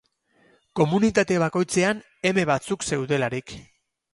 Komunitate bakoitzean eme batzuk zeudelarik.